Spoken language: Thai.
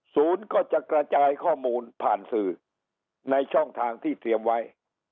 ศูนย์ก็จะกระจายข้อมูลผ่านสื่อในช่องทางที่เตรียมไว้